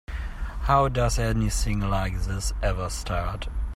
How does anything like this ever start?